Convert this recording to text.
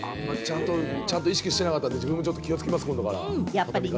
ちゃんと意識してなかったんで、自分もこれから気をつけます。